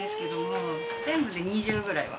全部で２０ぐらいは。